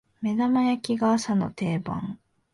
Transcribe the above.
目玉焼きが朝の定番